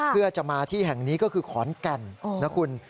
เพื่อจะมาที่แห่งนี้ก็คือขอนแก่นนะคุณ